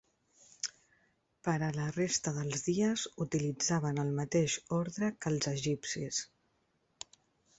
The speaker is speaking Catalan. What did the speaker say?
Per a la resta dels dies utilitzaven el mateix ordre que els egipcis.